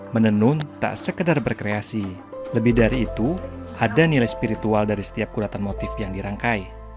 menenun tak sekedar berkreasi lebih dari itu ada nilai spiritual dari setiap kuratan motif yang dirangkai